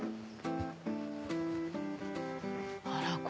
あら！